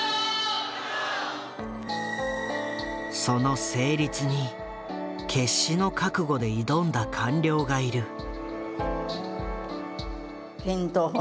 その成立に決死の覚悟で挑んだ官僚がいる。